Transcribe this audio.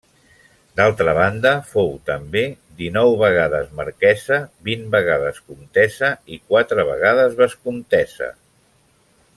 D'altra banda, fou també dinou vegades marquesa, vint vegades comtessa i quatre vegades vescomtessa.